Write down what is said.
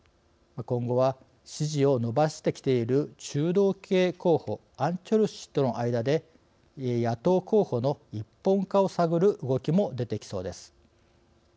今後は支持を伸ばしてきている中道系候補アン・チョルス氏との間で野党候補の一本化を探る動きも出てきそうです。